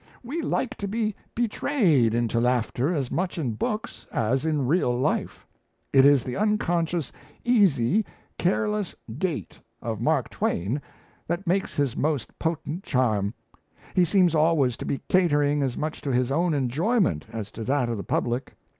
We like to be betrayed into laughter as much in books as in real life. It is the unconscious, easy, careless gait of Mark Twain that makes his most potent charm. He seems always to be catering as much to his own enjoyment as to that of the public.